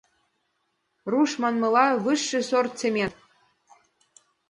Руш манмыла, высший сорт цемент.